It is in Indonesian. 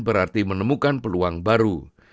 berarti menemukan peluang baru